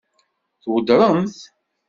Tweddṛem-t?